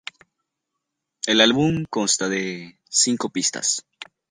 El álbum consta de cinco pistas.